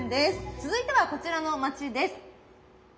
続いてはこちらの町です。